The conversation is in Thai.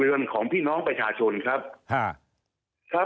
เรือนของพี่น้องประชาชนครับ